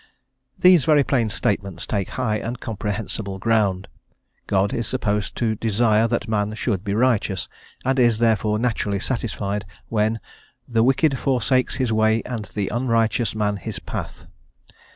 These very plain statements take high and comprehensible ground. God is supposed to desire that man should be righteous, and is, therefore, naturally satisfied when "the wicked forsakes his way and the unrighteous man his path."